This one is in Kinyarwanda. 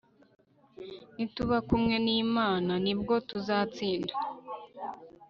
nituba kumwe n'imana ni bwo tuzatsinda